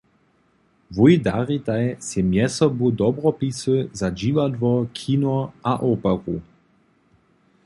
Wój daritaj sej mjezsobu dobropisy za dźiwadło, kino a operu.